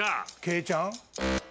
けいちゃん？